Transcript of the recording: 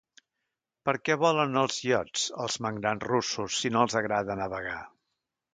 Per què volen els iots els magnats russos si no els agrada navegar?